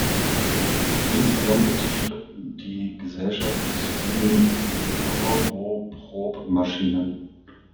Insgesamt betrieb die Gesellschaft bis zu sieben Turboprop Maschinen.